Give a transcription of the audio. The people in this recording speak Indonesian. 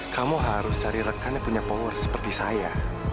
kamu harus cari rekan yang punya power seperti saya